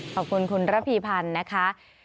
ขอบคุณคุณระพีพันธ์นะคะ